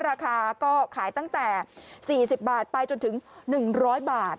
ราคาก็ขายตั้งแต่๔๐บาทไปจนถึง๑๐๐บาท